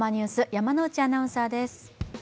山内アナウンサーです。